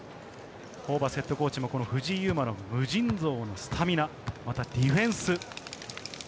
ホーバスＨＣも藤井祐眞の無尽蔵のスタミナ、またディフェンス。